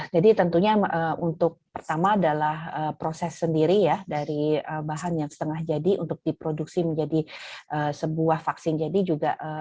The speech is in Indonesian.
jadi tentunya untuk pertama adalah proses sendiri ya dari bahan yang setengah jadi untuk diproduksi menjadi sebuah vaksin jadi juga membutuhkan tahapan waktu